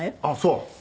ああそう？